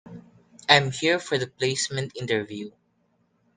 I'm here for the placement interview.